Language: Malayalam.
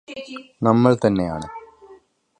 നമ്മള് തന്നെയാണ്